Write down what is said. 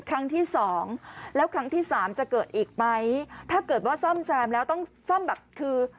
ครั้งที่สองแล้วครั้งที่สามจะเกิดอีกไหมถ้าเกิดว่าซ่อมแซมแล้วต้องซ่อมแบบคือ